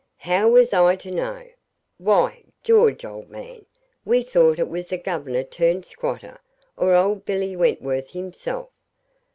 'How was I to know? Why, George, old man, we thought it was the Governor turned squatter, or old Billy Wentworth himself.